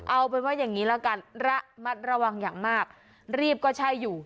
เอาเป็นว่าอย่างนี้ละกันระมัดระวังอย่างมากรีบก็ใช่อยู่